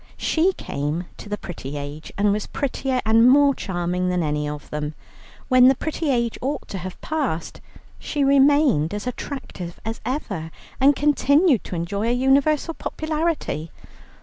She came to the pretty age, and was prettier and more charming than any of them. When the pretty age ought to have passed she remained as attractive as ever, and continued to enjoy a universal popularity.